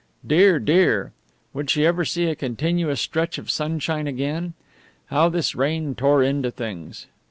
Dear, dear! Would she ever see a continuous stretch of sunshine again? How this rain tore into things!